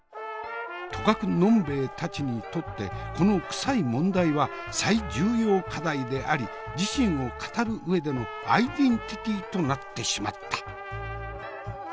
とかく呑兵衛たちにとってこのクサい問題は最重要課題であり自身を語る上でのアイデンティティーとなってしまった。